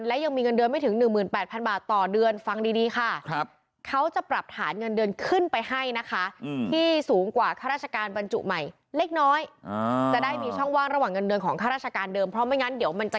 เลยต้องขยับให้มีช่องว่างนิดนึง